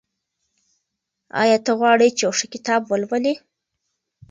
آیا ته غواړې چې یو ښه کتاب ولولې؟